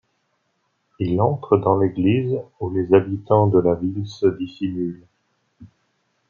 Il entre dans l'église où les habitants de la ville se dissimulent.